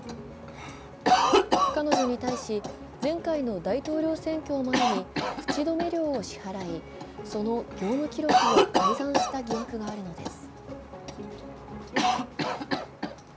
彼女に対し前回の大統領選挙を前に口止め料を支払い、その業務記録を改ざんした疑惑があるのです。